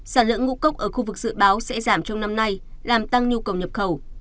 sản lượng ngũ cốc ở khu vực dự báo sẽ giảm trong năm nay làm tăng nhu cầu nhập khẩu